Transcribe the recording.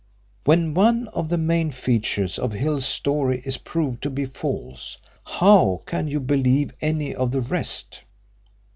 "When one of the main features of Hill's story is proved to be false, how can you believe any of the rest?